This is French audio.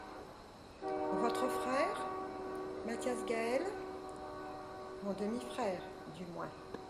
—Votre frère ?… Mathias Gaël ? —Mon demi-frère, du moins.